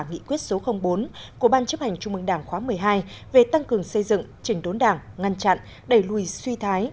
nghị quyết số bốn của ban chấp hành trung mương đảng khóa một mươi hai về tăng cường xây dựng chỉnh đốn đảng ngăn chặn đẩy lùi suy thái